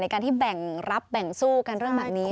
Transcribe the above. การที่แบ่งรับแบ่งสู้กันเรื่องแบบนี้